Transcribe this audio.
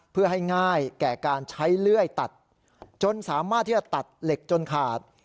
เพื่อให้ง่ายแก่การใช้เลื่อยตัดจนสามารถที่จะตัดเหล็กจนขาด